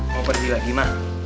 mau pergi lagi ma